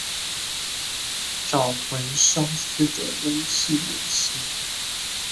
找回消失的人氣點心